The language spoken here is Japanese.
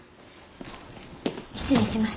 失礼します。